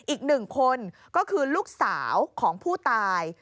อีกหนึ่งคนก็คือลูกสาวของผู้ตาย